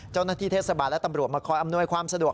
เจ้าหน้าที่เทศบาลและตำรวจมาคอยอำนวยความสะดวก